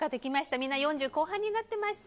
みんな四十後半になってました。